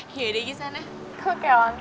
yaudah gisana kau kayak wang tak